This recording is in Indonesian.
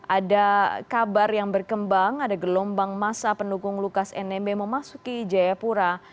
ada kabar yang berkembang ada gelombang masa pendukung lukas nmb memasuki jayapura